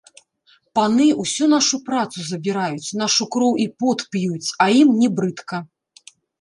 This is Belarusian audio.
Паны ўсю нашу працу забіраюць, нашу кроў і пот п'юць, а ім не брыдка.